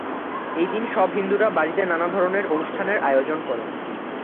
এই দিন সব হিন্দুরা বাড়িতে নানা ধরনের অনুষ্ঠানের আয়োজন করেন।